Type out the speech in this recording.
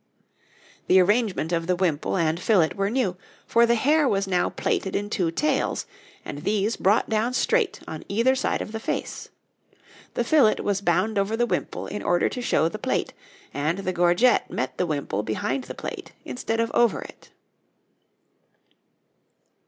The arrangement of the wimple and fillet were new, for the hair was now plaited in two tails, and these brought down straight on either side of the face; the fillet was bound over the wimple in order to show the plait, and the gorget met the wimple behind the plait instead of over it.